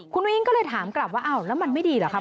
คุณอุ้งก็เลยถามกลับว่าอ้าวแล้วมันไม่ดีเหรอครับ